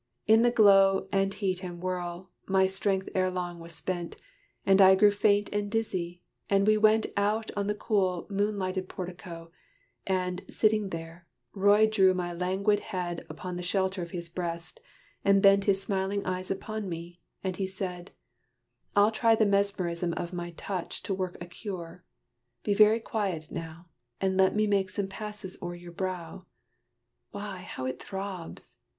In the glow And heat and whirl, my strength ere long was spent, And I grew faint and dizzy, and we went Out on the cool moonlighted portico, And, sitting there, Roy drew my languid head Upon the shelter of his breast, and bent His smiling eyes upon me, as he said, "I'll try the mesmerism of my touch To work a cure: be very quiet now, And let me make some passes o'er your brow. Why, how it throbs!